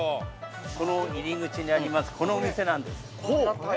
◆この入り口にあります、このお店なんです。